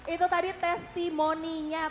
itu tadi testimoninya